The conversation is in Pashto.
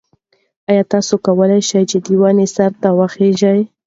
ایا ته کولای شې چې د ونې سر ته وخیژې؟